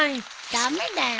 駄目だよ。